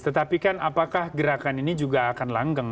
tetapi kan apakah gerakan ini juga akan langgeng